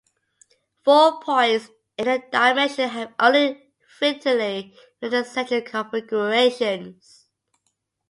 Four points in any dimension have only finitely many central configurations.